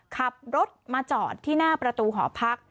ขับรถมาจอดที่หน้าประตูหอพัก